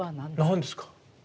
何ですか？